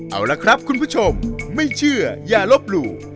เอาละครับคุณผู้ชมไม่เชื่ออย่าลบหลู่